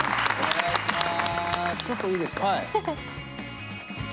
ちょっといいですか。